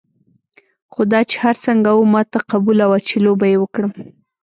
خو دا چې هر څنګه وه ما ته قبوله وه چې لوبه یې وکړم.